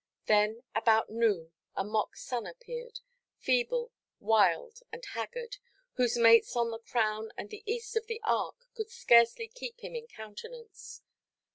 Then about noon a mock sun appeared, feeble, wild, and haggard, whose mates on the crown and the east of the arc could scarcely keep him in countenance.